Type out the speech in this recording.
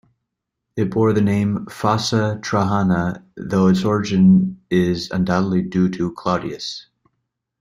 It bore the name "Fossa trajana", though its origin is undoubtedly due to Claudius.